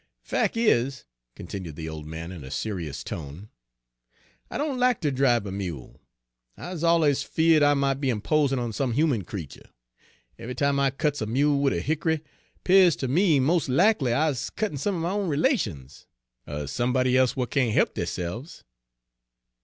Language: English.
"Fac' is," continued the old man, in a serious tone, "I doan lack ter dribe a mule. I's alluz afeared I mought be imposin' on some human creetur; eve'y time I cuts a mule wid a hick'ry, 'pears ter me mos' lackly I's cuttin' some er my own relations, er somebody e'se w'at can't he'p deyse'ves."